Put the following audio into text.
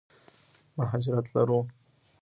مهاجرت لرو.